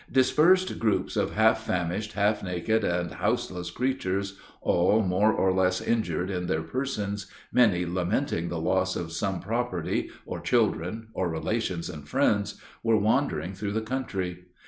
"Dispersed groups of half famished, half naked, and houseless creatures, all more or less injured in their persons, many lamenting the loss of some property, or children, or relations and friends, were wandering through the country.